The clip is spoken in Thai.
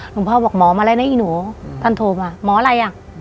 พ่อบอกหมอมาแล้วนะอีหนูท่านโทรมาหมออะไรอ่ะ